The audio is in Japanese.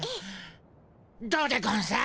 どうでゴンス？